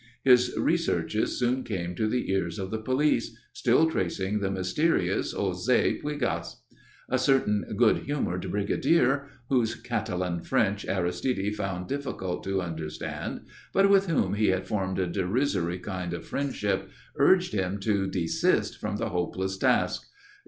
His researches soon came to the ears of the police, still tracing the mysterious José Puégas. A certain good humoured brigadier whose Catalan French Aristide found difficult to understand, but with whom he had formed a derisory kind of friendship, urged him to desist from the hopeless task.